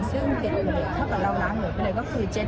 ขณะเดียวกันครึ่งแรกก็ได้พักฝ่ายอยู่ในฟ้าเดาเลาะกับยิมโรลชิค